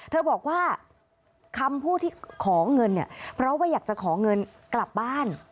เธอบอกว่าคำพูดที่ขอเงินเนี่ยเพราะว่าอยากจะขอเงินกลับบ้าน